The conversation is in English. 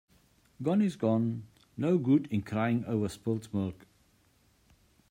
Gone is gone. No good in crying over spilt milk.